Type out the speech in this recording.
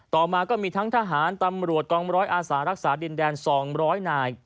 ต่อมาก็มีทั้งทหารตำรวจกองร้อยอาสารักษาดินแดน๒๐๐นาย